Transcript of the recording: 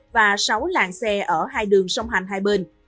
và sáu làng xe ở hai đường song hành hai bên